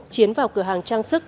chiến vào cửa hàng trang sức